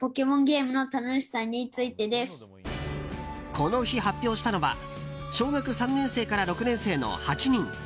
この日、発表したのは小学３年生から６年生の８人。